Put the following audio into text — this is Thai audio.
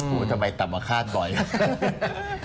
โหทำไมต่ำว่าค่าก่อน